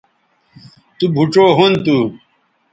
تو بھوڇؤ ھُن تھو